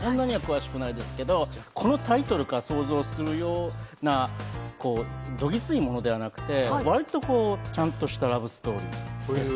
見たことは若干あるんですけれども、そんなに詳しくないですけれども、このタイトルから想像するようにどぎついものではなくて、割とちゃんとしたラブストーリーです。